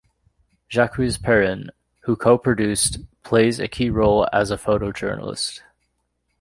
Jacques Perrin, who co-produced, plays a key role as a photojournalist.